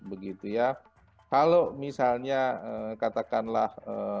begitu ya kalau misalnya katakanlah empat ratus